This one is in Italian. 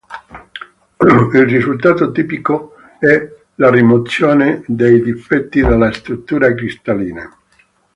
Il risultato tipico è la rimozione dei difetti della struttura cristallina.